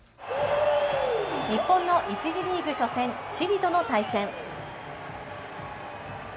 日本の１次リーグ初戦、チリとの対戦。